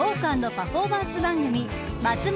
パフォーマンス番組まつも